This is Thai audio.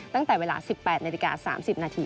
ตั้งแต่เวลาสิบแปดนาฬิกาสามสิบนาที